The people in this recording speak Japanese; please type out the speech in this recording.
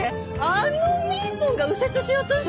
あのみーぽんが右折しようとしてる。